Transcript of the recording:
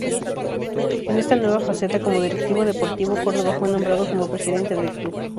En esta nueva faceta como Directivo Deportivo, Córdoba fue nombrado como Presidente del club.